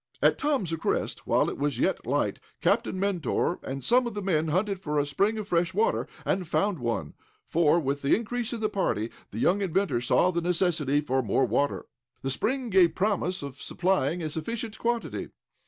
At Tom's request, while it was yet light, Captain Mentor and some of the men hunted for a spring of fresh water, and found one, for, with the increase in the party, the young inventor saw the necessity for more water. The spring gave promise of supplying a sufficient quantity.